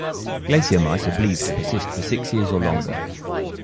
Glacier mice are believed to persist for six years or longer.